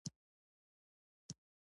هر څو قدمه وروسته د زمزم اوبه ايښي دي.